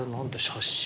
写真？